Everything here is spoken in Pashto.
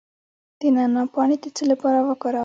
د نعناع پاڼې د څه لپاره وکاروم؟